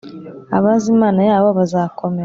Abazi imana yabo bazakomera